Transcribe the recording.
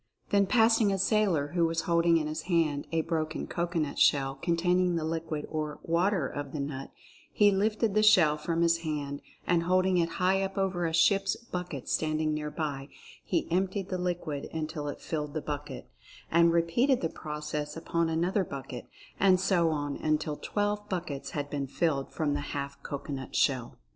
Then passing a sailor who was holding in his hand a broken cocoanut shell con taining the liquid or "water" of the nut, he lifted the shell from his hand and holding it high up over a ship's bucket standing nearby he emptied the liquid until it filled the bucket, and repeated the process upon another bucket, and so on until twelve buckets had been filled from the half cocoanut shell.